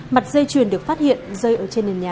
mặt dây chuyền được phát hiện rơi ở trên nền nhà